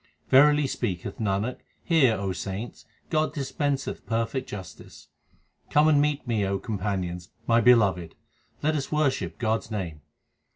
Verily speaketh Nanak hear, O saints, God dispenseth perfect justice. Come and meet me, O companions, my beloved ; let us worship God s name.